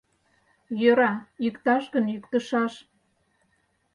Йӧра, йӱкташ гын, йӱктышаш!.